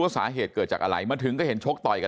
สาเหตุเกิดจากอะไรมาถึงก็เห็นชกต่อยกัน